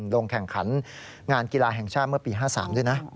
ลงแข่งขันงานกีฬาแห่งชาติเมื่อปี๕๓ด้วยนะ